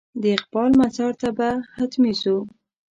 د اقبال مزار ته به حتمي ځو.